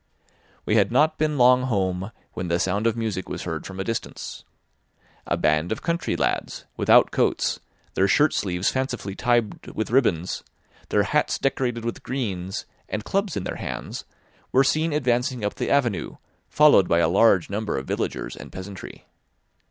We had not been long home when the sound of music was heard from a distance. A band of country lads, without coats, their shirt sleeves fancifully tied with ribands, their hats decorated with greens, and clubs in their hands, were seen advancing up the avenue, followed by a large number of villagers and peasantry.